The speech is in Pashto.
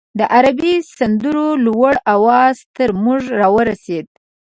د عربي سندرو لوړ اواز تر موږ راورسېد.